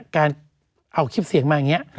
การเอาคลิปเสียงมาอย่างนี้